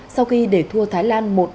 sau khi để thua thái lan một ba